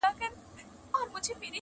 شپه به مي وباسي له ښاره څخه -